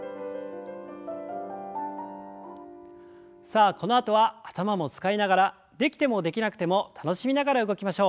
さあこのあとは頭も使いながらできてもできなくても楽しみながら動きましょう。